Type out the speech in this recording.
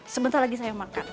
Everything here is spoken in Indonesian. sebentar lagi saya makan